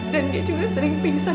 dan dia juga sering pingsan